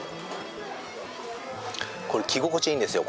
これ着心地いいんですよ